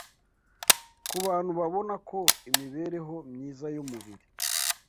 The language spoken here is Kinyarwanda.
Ku bantu babona ko imibereho myiza y’umubiri